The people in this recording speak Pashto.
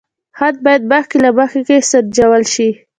خطر باید مخکې له مخکې سنجول شي.